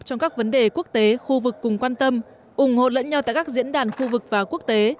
trong các vấn đề quốc tế khu vực cùng quan tâm ủng hộ lẫn nhau tại các diễn đàn khu vực và quốc tế